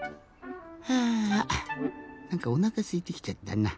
はあなんかおなかすいてきちゃったな。